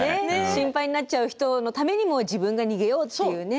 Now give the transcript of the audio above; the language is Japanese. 心配になっちゃう人のためにも自分が逃げようっていうね。